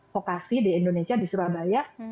vokasi di indonesia di surabaya